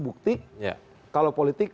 bukti kalau politik